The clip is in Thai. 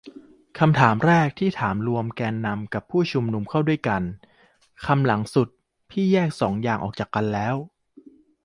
คำถามแรกพี่ถามรวมเอาแกนนำกับผู้ชุมนุมเข้าด้วยกัน คำหลังสุด พี่แยกสองอย่างออกจากกันแล้ว